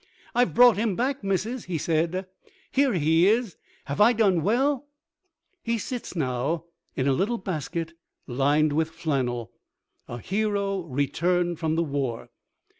"I've brought him back, Missis," he said. "Here he is. Have I done well?" He sits now in a little basket lined with flannel, a hero returned from the War.